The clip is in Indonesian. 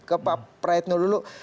ke pak praetno dulu